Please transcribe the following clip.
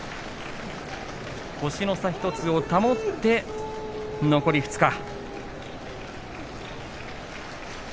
星の差１つを保って残り２日。